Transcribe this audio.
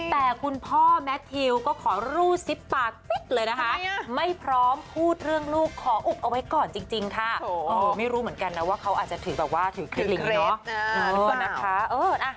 แต่คุณพ่อแมททิวก็ขอรูดซิบปากปิดเลยนะคะไม่พร้อมพูดเรื่องลูกขออุบเอาไว้ก่อนจริงค่ะไม่รู้เหมือนกันนะว่าเขาอาจจะถือแบบว่าถือคลินิกเนาะ